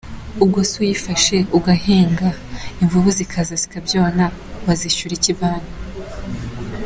Ubwo se uyifashe, ugahinga, imvubu zikaza zikabyona, wazishyura iki banki?”.